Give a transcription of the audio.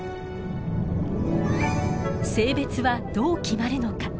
性別はどう決まるのか？